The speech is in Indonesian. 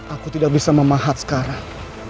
aku tidak bisa memahat sekarang